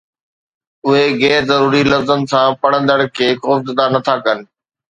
اهي غير ضروري لفظن سان پڙهندڙ کي خوفزده نٿا ڪن